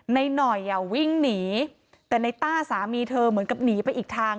หน่อยอ่ะวิ่งหนีแต่ในต้าสามีเธอเหมือนกับหนีไปอีกทาง